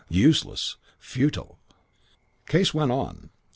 Useless. Futile. "Case went on.